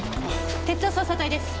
鉄道捜査隊です。